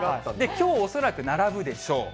きょう恐らく並ぶでしょう。